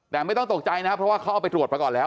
แต่ไม่ต้องตกใจนะครับเพราะว่าเขาเอาไปตรวจมาก่อนแล้ว